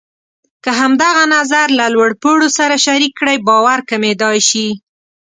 که همدغه نظر له لوړ پوړو سره شریک کړئ، باور کمېدای شي.